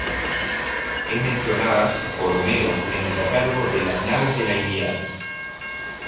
Es mencionada por Homero en el Catálogo de las naves de la "Ilíada".